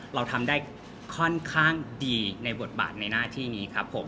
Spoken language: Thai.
เราทำได้ค่อนข้างดีในบทบาทในหน้าที่นี้ครับผม